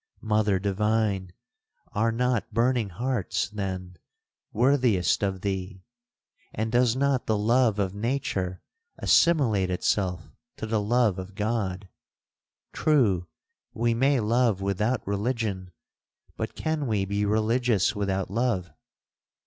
Mother divine! are not burning hearts, then, worthiest of thee?—and does not the love of nature assimilate itself to the love of God! True, we may love without religion, but can we be religious without love?